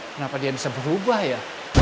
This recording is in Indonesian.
kenapa dia bisa berubah ya